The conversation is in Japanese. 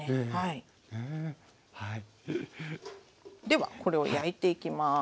ではこれを焼いていきます。